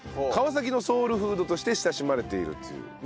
川崎のソウルフードとして親しまれているという。